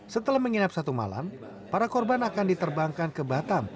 setelah menginap satu malam para korban akan diterbangkan ke batam